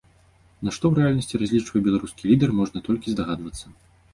На што ў рэальнасці разлічвае беларускі лідар, можна толькі здагадвацца.